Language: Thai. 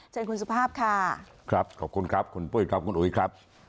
เชิญคุณสุภาพค่ะครับขอบคุณครับคุณปุ้ยครับคุณอุ๋ยครับ